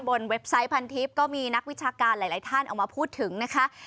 เว็บไซต์พันทิพย์ก็มีนักวิชาการหลายท่านเอามาพูดถึงนะคะ